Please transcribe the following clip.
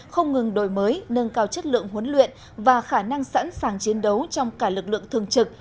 không ngừng đổi mới nâng cao chất lượng huấn luyện và khả năng sẵn sàng chiến đấu trong cả lực lượng thường trực